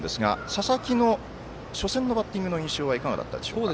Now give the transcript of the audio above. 佐々木の初戦のバッティングの印象はいかがでしょうか？